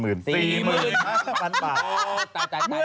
เมื่อชดครบ๗๐๐๐๐บาท